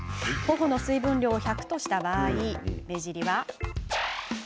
頬の水分量を１００とした場合目尻は８７。